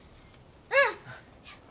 うん。